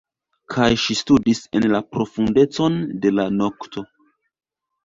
Kaj ŝi studis en la profundecon de la nokto.